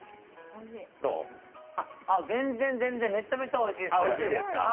全然、めちゃめちゃおいしいです。